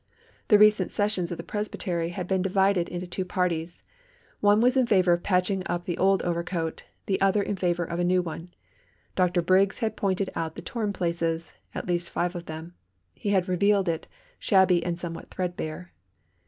The recent sessions of the Presbytery had been divided into two parties. One was in favour of patching up the old overcoat, the other in favour of a new one. Dr. Briggs had pointed out the torn places at least five of them. He had revealed it, shabby and somewhat threadbare.